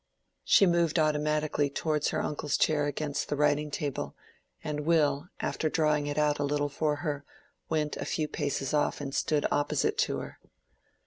She moved automatically towards her uncle's chair against the writing table, and Will, after drawing it out a little for her, went a few paces off and stood opposite to her.